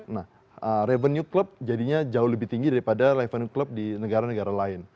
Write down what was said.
nah revenue klub jadinya jauh lebih tinggi daripada revenue klub di negara negara lain